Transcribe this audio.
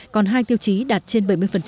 còn hai tiêu chí đạt trên bảy mươi